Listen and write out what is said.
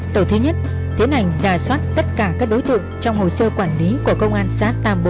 tổ thứ nhất tiến hành giả soát tất cả các đối tượng trong hồ sơ quản lí của công an xã tam bố